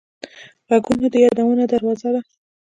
غږونه د یادونو دروازه ده